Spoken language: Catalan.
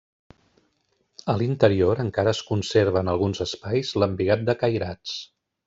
A l'interior encara es conserva en alguns espais l'embigat de cairats.